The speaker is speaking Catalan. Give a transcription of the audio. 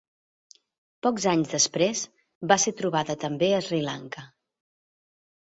Pocs anys després va ser trobada també a Sri Lanka.